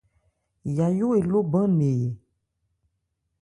Yayó eló bán nne ɛ.